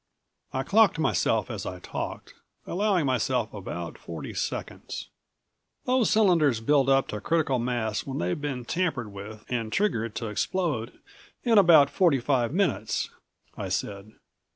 I clocked myself as I talked, allowing myself about forty seconds. "Those cylinders build up to critical mass when they've been tampered with and triggered to explode in about forty five minutes," I said.